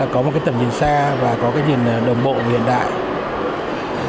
có một tầm nhìn xa và có nhìn đồng bộ hiện đại